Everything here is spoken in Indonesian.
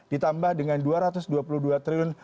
ditambah dengan dua ratus dua puluh dua triliun